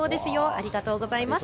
ありがとうございます。